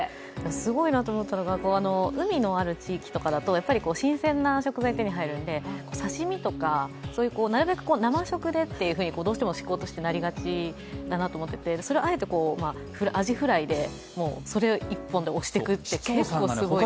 すごいなと思ったのが海のある地域とかだと新鮮な食材が手に入るので、刺身とか、なるべく生食でと思考としてなりがちになっていて、それをあえてアジフライでそれ一本で推してくって結構すごいですよね。